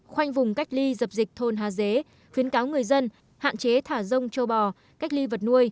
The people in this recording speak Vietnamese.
khoanh vùng cách ly dập dịch thôn hà dế khuyến cáo người dân hạn chế thả rông châu bò cách ly vật nuôi